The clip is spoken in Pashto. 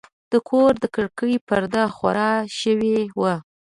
د کور د کړکۍ پرده خواره شوې وه.